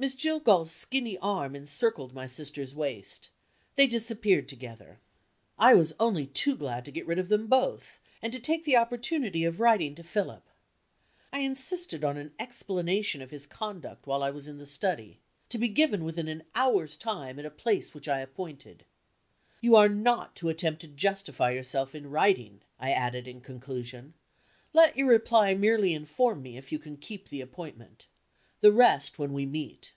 Miss Jillgall's skinny arm encircled my sister's waist; they disappeared together. I was only too glad to get rid of them both, and to take the opportunity of writing to Philip. I insisted on an explanation of his conduct while I was in the study to be given within an hour's time, at a place which I appointed. "You are not to attempt to justify yourself in writing," I added in conclusion. "Let your reply merely inform me if you can keep the appointment. The rest, when we meet."